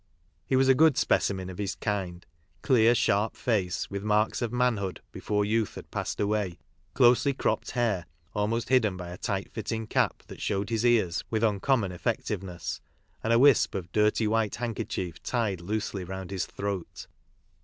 He was a good specimen of his kind ; clear, sharp face, with marks of manhood before youth had passed away ; closely cropped hair, almost hidden bv a tight fitting cip that showed his ears with uncommon effectiveness ; and a wisp of dirty white handkerchief tied loosely round his Throat.